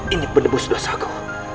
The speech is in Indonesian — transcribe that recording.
ini penebus dosaku